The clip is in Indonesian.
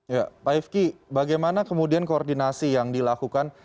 ya pak ifki bagaimana kemudian koordinasi yang dilakukan